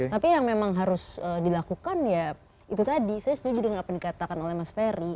tapi yang memang harus dilakukan ya itu tadi saya setuju dengan apa yang dikatakan oleh mas ferry